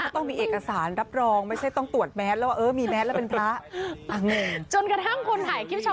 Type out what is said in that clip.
แต่เขาตอบว่าเป็นพระจริงดิ